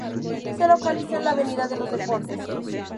Se localiza en la "Avenida de los Deportes".